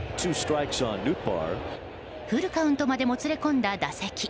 フルカウントまでもつれ込んだ打席。